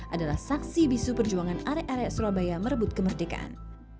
adalah saksi bisu perjuangan are are surabaya merebut kemerdekaan